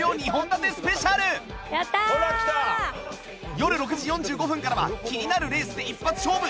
よる６時４５分からは気になるレースで一発勝負！